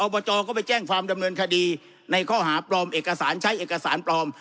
บจก็ไปแจ้งความดำเนินคดีในข้อหาปลอมเอกสารใช้เอกสารปลอม